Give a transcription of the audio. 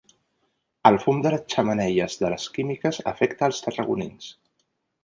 El fum de les xemeneies de les químiques afecta els tarragonins.